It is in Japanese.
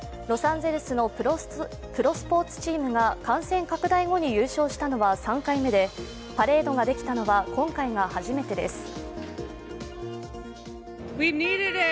ロサンゼルスのプロスポーツチームが感染拡大後に優勝したのは３回目でパレードができたのは今回が初めてです。